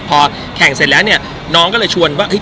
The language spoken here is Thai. พอแข่งเสร็จแล้วเนี่ยน้องก็เลยชวนว่า